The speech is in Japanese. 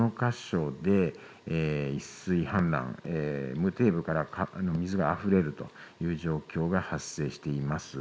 その箇所で溢水氾濫無底部から水があふれるという状況が起きています。